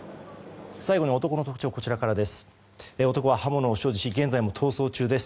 最後に男の特徴こちらからです。